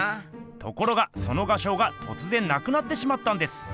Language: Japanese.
ところがその画商がとつぜんなくなってしまったんです。